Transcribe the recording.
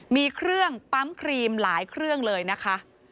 มีเครื่องปั๊มครีมหลายเครื่องเลยนะคะ